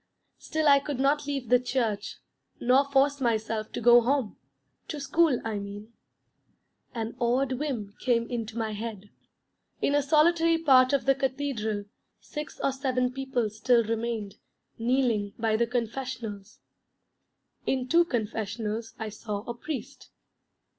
Still I could not leave the church nor force myself to go home to school, I mean. An odd whim came into my head. In a solitary part of the cathedral six or seven people still remained, kneeling by the Confessionals. In two Confessionals I saw a Priest.